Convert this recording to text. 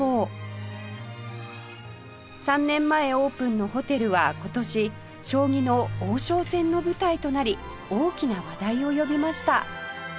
３年前オープンのホテルは今年将棋の王将戦の舞台となり大きな話題を呼びました